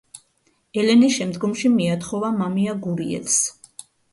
ელენე შემდგომში მიათხოვა მამია გურიელს.